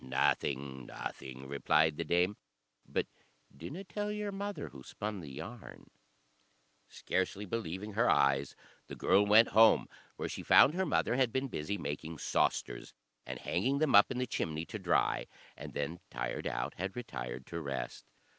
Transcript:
"Nothing nothing," replied the dame; "but dinna tell your mother who spun the yarn." Scarcely believing her eyes, the girl went home, where she found her mother had been busy making sausters, and hanging them up in the chimney to dry, and then, tired out, had retired to rest.